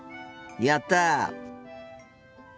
やった！